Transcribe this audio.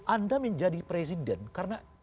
anda menjadi presiden karena